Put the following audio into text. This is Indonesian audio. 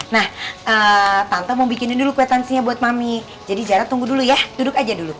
nah tante mau bikinin dulu quitansinya buat mami jadi jarah tunggu dulu ya duduk aja dulu